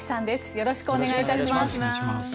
よろしくお願いします。